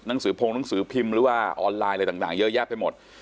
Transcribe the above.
หนังสือพงหนังสือพิมพ์หรือว่าออนไลน์อะไรต่างเยอะแยะไปหมด